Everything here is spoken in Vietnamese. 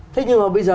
thế nhưng mà bây giờ